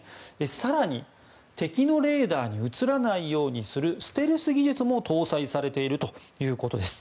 更に、敵のレーダーに映らないようにするステルス技術も搭載されているということです。